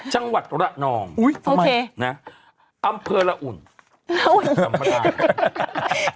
จังหวัดระนองอุ้ยโอเคนะอำเภอละอุ่นธรรมดา